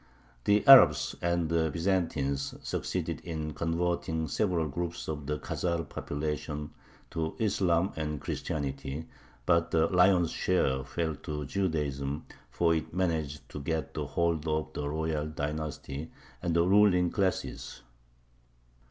The Arabs and the Byzantines succeeded in converting several groups of the Khazar population to Islam and Christianity, but the lion's share fell to Judaism, for it managed to get hold of the royal dynasty and the ruling classes.